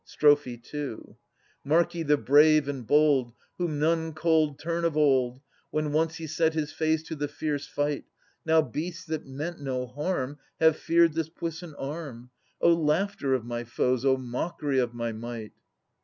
Strophe II. Mark ye the brave and bold. Whom none cold turn of old. When once he set his face to the fierce fight. Now beasts that meant no harm Have feared this puissant arm. O laughter of my foes ! O mockery of my might.